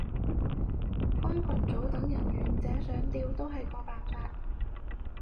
開群組等人願者上釣都係個方法